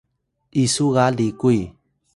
isu ga likuy